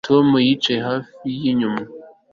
Tom yicaye hafi yinyuma